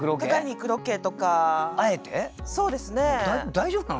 大丈夫なの？